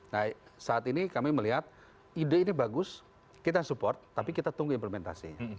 nah saat ini kami melihat ide ini bagus kita support tapi kita tunggu implementasinya